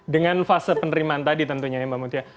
dengan fase penerimaan tadi tentunya ya mbak mutia